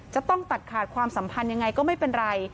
จะต้องตัดขาดความสัมพันธ์ยังไงก็ไม่เป็นไร